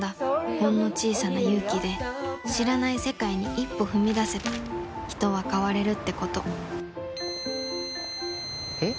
ほんの小さな勇気で知らない世界に一歩踏み出せば人は変われるってことピー！